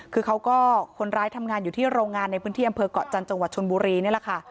คือเขาก็คนร้ายทำงานอยู่ที่โรงงานในพื้นที่อำเภอกเกาะจันทร์จังหวัดชนบุรีนี่แหละค่ะ